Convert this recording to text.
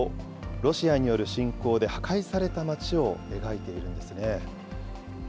ロシアによる侵攻で破壊された町を描いているんですね。